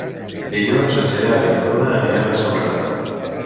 Dilluns en Gerard i na Duna aniran a Celrà.